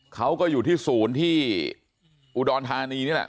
เขาก็อยู่ที่ศูนย์ที่อุดรธานีนี่แหละ